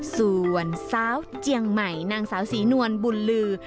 ส่วนสาวเจียงใหม่นางสาวศรีนวลบุญลือ